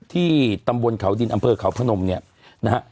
ที่ตำบลเขาดินอำเภอเขาพนมเนี่ยนะฮะ